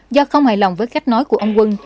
do không hài lòng với cách nói của ông quân